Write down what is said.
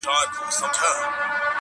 خو درد د ذهن له ژورو نه وځي هېڅکله,